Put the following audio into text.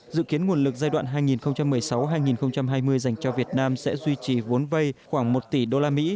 dự kiến nguồn lực giai đoạn hai nghìn một mươi sáu hai nghìn hai mươi dành cho việt nam sẽ duy trì vốn vây khoảng một tỷ usd